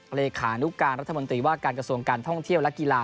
เลขานุการรัฐมนตรีว่าการกระทรวงการท่องเที่ยวและกีฬา